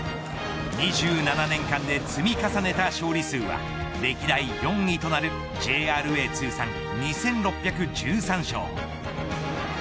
２７年間で積み重ねた勝利数は歴代４位となるＪＲＡ通算２６１３勝。